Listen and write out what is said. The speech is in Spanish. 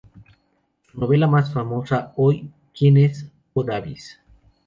Su novela más famosa hoy en día es "Quo vadis?